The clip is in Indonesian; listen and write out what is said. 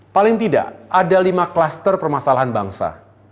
paling tidak ada lima klaster permasalahan bangsa